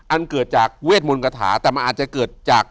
อันเกิดจากเวทมนต์กระถาแต่มันอาจจะเกิดจาก